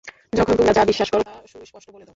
তখন তোমরা যা বিশ্বাস কর তা সুস্পষ্ট বলে দাও।